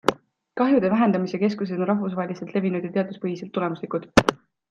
Kahjude vähendamise keskused on rahvusvaheliselt levinud ja teaduspõhiselt tulemuslikud.